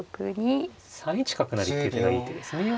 ３一角成っていう手がいい手ですね。